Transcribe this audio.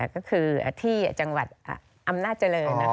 ก็คือที่จังหวัดอำนาจเจริญ